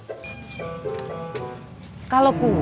mak emang ke rumah